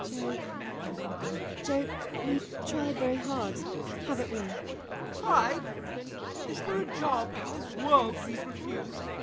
MARY. Joe, Joe, we've tried very hard, haven't we? JOE. Tried! Is there a job in this world we'd refuse?